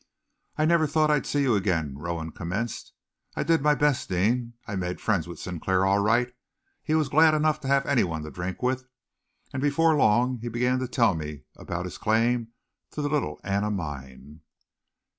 "I never thought I'd see you again," Rowan commenced. "I did my best, Deane. I made friends with Sinclair all right he was glad enough to have anyone to drink with and before long he began to tell me about his claim to the Little Anna Mine."